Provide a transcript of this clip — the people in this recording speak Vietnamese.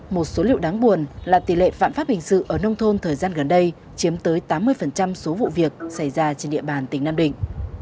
một số liệu đáng buồn là tỷ lệ phạm pháp hình sự ở nông thôn thời gian gần đây chiếm tới tám mươi số vụ việc xảy ra trên địa bàn tỉnh nam định